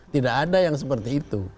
tidak ada yang seperti itu